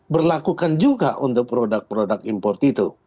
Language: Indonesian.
berlakukan juga untuk produk produk impor itu